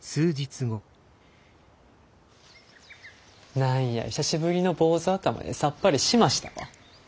何や久しぶりの坊主頭でさっぱりしましたわ。